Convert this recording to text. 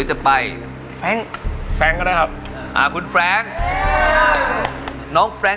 ชอบทำอาหารแฟสปูด